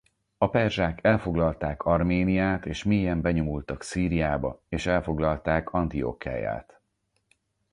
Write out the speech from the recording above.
A perzsák elfoglalták Arméniát és mélyen benyomultak Szíriába és elfoglalták Antiokheiát.